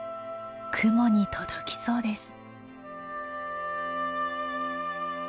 雲に届きそうです。